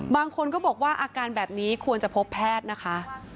บางคนก็บอกว่าอาการแบบนี้ควรจะพบแพทย์นะคะ